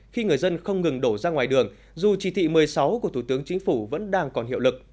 khi người dân không ngừng đổ ra ngoài đường dù chỉ thị một mươi sáu của thủ tướng chính phủ vẫn đang còn hiệu lực